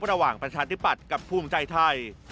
ระหว่างประชาธิบัติกับภูมิใจไทย